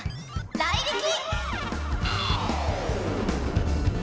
ライリキ！